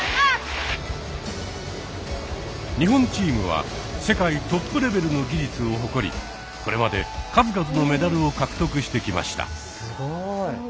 日本チームは世界トップレベルの技術を誇りこれまで数々のメダルを獲得してきました。